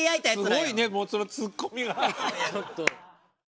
すごいねもうそのツッコミが。